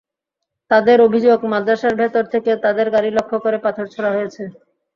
তাঁদের অভিযোগ, মাদ্রাসার ভেতর থেকে তাঁদের গাড়ি লক্ষ্য করে পাথর ছোড়া হয়েছে।